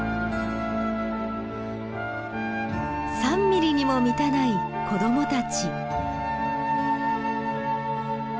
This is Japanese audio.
３ミリにも満たない子供たち。